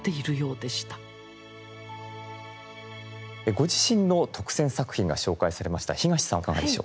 ご自身の特選作品が紹介されました東さんいかがでしょうか？